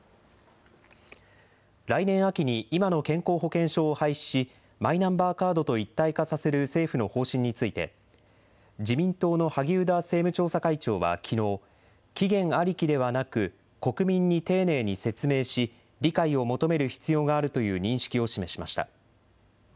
来年秋に今の健康保険証を廃止し、マイナンバーカードと一体化させる政府の方針について、自民党の萩生田政務調査会長はきのう、期限ありきではなく、国民に丁寧に説明し、理解を求める必要があるという認識を示しました。